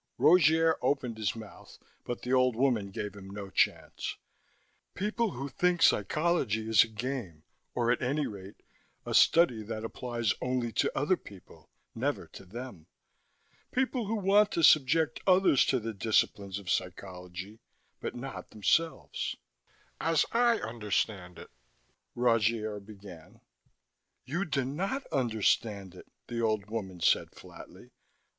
Rogier opened his mouth, but the old woman gave him no chance. "People who think psychology is a game, or at any rate a study that applies only to other people, never to them. People who want to subject others to the disciplines of psychology, but not themselves." "As I understand it " Rogier began. "You do not understand it," the old woman said flatly.